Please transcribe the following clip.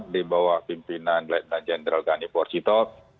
dibawah pimpinan laidna jenderal ghani prechitov